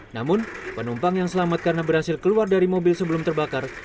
namun penumpang yang selamat karena berhasil keluar dari mobil sebelum terbakar